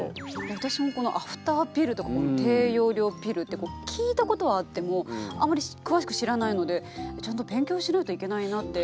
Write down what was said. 私もこのアフターピルとかこの低用量ピルって聞いたことはあってもあまり詳しく知らないのでちゃんと勉強しないといけないなって。